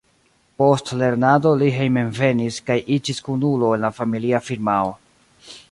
Post lernado li hejmenvenis kaj iĝis kunulo en la familia firmao.